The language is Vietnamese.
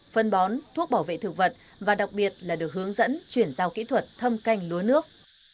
phân bón thuốc bảo vệ thực vật và đặc biệt là được hướng dẫn chuyển giao kỹ thuật thâm canh lúa nước